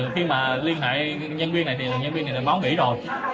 khi mà liên hệ nhân viên này thì nhân viên này báo nghỉ rồi